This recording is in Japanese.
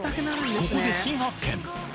ここで新発見。